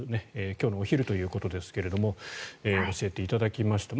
今日のお昼ということですが教えていただきました。